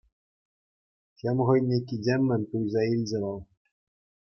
Тем хӑйне кичеммӗн туйса илчӗ вӑл.